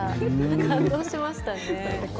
感動しましたね。